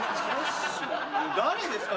誰ですか？